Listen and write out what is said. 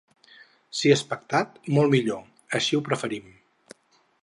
Si és pactat, molt millor, així ho preferim.